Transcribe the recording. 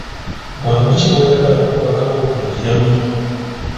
Bwangu ki bw'oyagala obubaka obwo butuukiremu?